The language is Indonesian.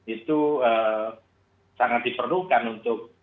itu sangat diperlukan untuk